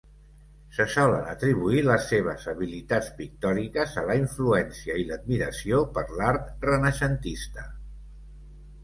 Se solen atribuir les seves habilitats pictòriques a la influència i l'admiració per l'art renaixentista.